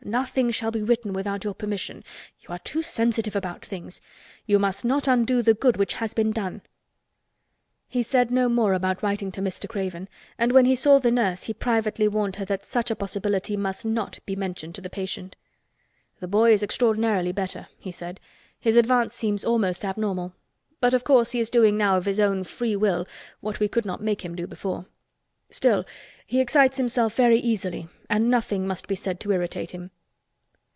"Nothing shall be written without your permission. You are too sensitive about things. You must not undo the good which has been done." He said no more about writing to Mr. Craven and when he saw the nurse he privately warned her that such a possibility must not be mentioned to the patient. "The boy is extraordinarily better," he said. "His advance seems almost abnormal. But of course he is doing now of his own free will what we could not make him do before. Still, he excites himself very easily and nothing must be said to irritate him."